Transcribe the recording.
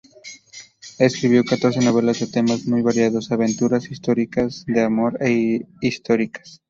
Escribió catorce novelas de temas muy variados: aventuras, históricas, de amor e históricas.